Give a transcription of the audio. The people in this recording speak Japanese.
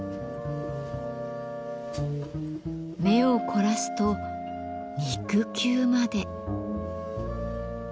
目を凝らすと肉球まで。